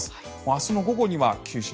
明日の午後には九州